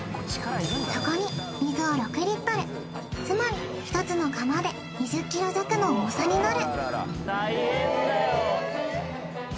そこに水を６リットルつまり１つの釜で２０ｋｇ弱の重さになる